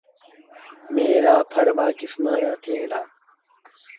ميݩهن رآ ڦر ٻآ کسمآݩ رآ ٿئيٚݩ دآ۔